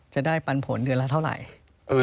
ปันผลเดือนละเท่าไหร่